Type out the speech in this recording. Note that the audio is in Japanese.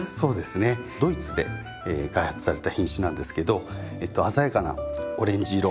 ドイツで開発された品種なんですけど鮮やかなオレンジ色と。